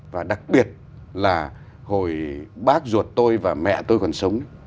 và đặc biệt là hồi bác ruột tôi và mẹ tôi còn sống